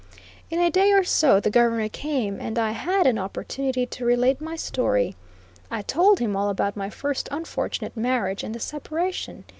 In a day or two the Governor came, and I had an opportunity to relate my story. I told him all about my first unfortunate marriage, and the separation.